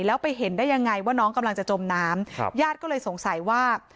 แล้วไปเห็นได้ยังไงว่าน้องกำลังจะจมน้ำครับญาติก็เลยสงสัยว่า